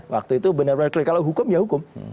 waktu itu benar benar kalau hukum ya hukum